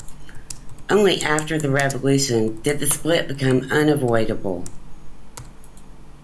Only after the revolution did the split become unavoidable.